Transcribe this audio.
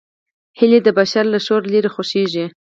هیلۍ د بشر له شوره لیرې خوښېږي